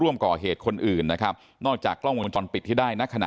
แต่มันถือปืนมันไม่รู้นะแต่ตอนหลังมันจะยิงอะไรหรือเปล่าเราก็ไม่รู้นะ